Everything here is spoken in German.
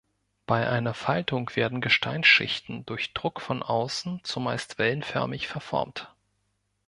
Bei einer Faltung werden Gesteins-Schichten durch Druck von außen zumeist wellenförmig verformt.